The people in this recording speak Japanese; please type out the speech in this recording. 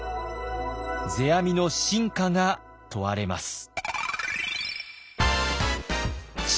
世阿弥の真価が問われます。